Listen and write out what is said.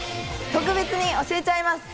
特別に教えちゃいます。